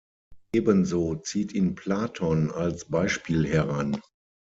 Ebenso zieht ihn Platon als Beispiel heran.